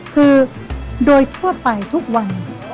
คือโดยทั่วไปทุกวัน